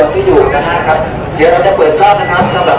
มุมการก็แจ้งแล้วเข้ากลับมานะครับ